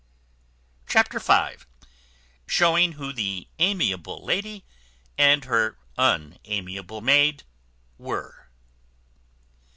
Chapter v. Showing who the amiable lady, and her unamiable maid, were.